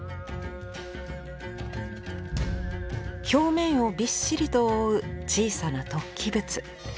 表面をびっしりと覆う小さな突起物。